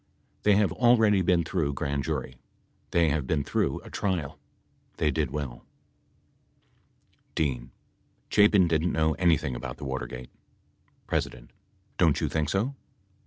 They have already been through grand jury. They have been through a trial. They did well ... [p. 140.'] D. Chapin didn't know anything about the Watergate. P. Don't you think so